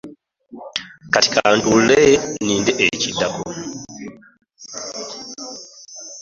Kati ka ntuule nninde kiddako.